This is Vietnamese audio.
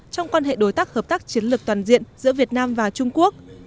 trong quan hệ đối tác hợp tác chiến lược toàn diện giữa việt nam và trung quốc